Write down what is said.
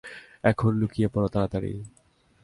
এখন লুকিয়ে পড়ো, তাড়াতাড়ি।